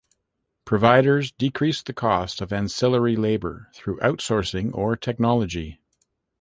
Providers decreased the cost of ancillary labor through outsourcing or technology.